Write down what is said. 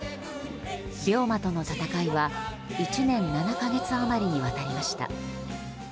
病魔との闘いは１年７か月余りにわたりました。